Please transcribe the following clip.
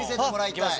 行きます。